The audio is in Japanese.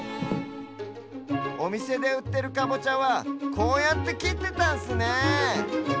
おみせでうってるかぼちゃはこうやってきってたんすねえ